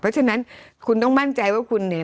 เพราะฉะนั้นคุณต้องมั่นใจว่าคุณเนี่ย